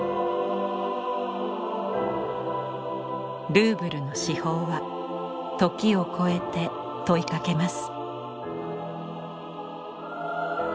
ルーブルの至宝は時をこえて問いかけます。